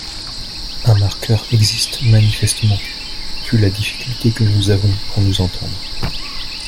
Un marqueur existe manifestement, vu la difficulté que nous avons pour nous entendre.